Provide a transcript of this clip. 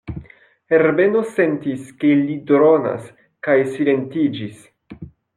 Herbeno sentis, ke li dronas, kaj silentiĝis.